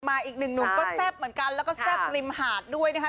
อีกหนึ่งหนุ่มก็แซ่บเหมือนกันแล้วก็แซ่บริมหาดด้วยนะคะ